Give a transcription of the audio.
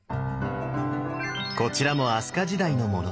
こちらも飛鳥時代のもの。